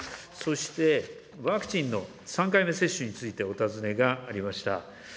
そして、ワクチンの３回目接種についてお尋ねがありました。